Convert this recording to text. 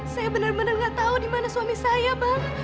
saya bener bener gak tau dimana suami saya bang